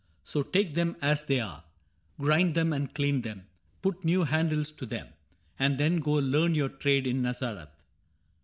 So take them as they are. Grind them and clean them, put new handles to them. And then go learn your trade in Nazareth.